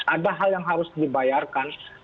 ada hal yang harus dibayarkan